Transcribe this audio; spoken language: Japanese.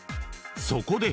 そこで］